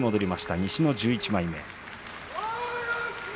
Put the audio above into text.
西の１１枚目。